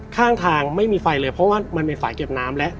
ข้างทางไม่มีไฟเลยเพราะว่ามันเป็นฝ่ายเก็บน้ำแล้ว